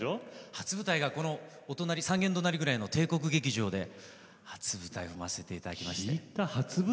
初舞台がこの３軒隣ぐらいの帝国劇場で初舞台を踏ませていただきました。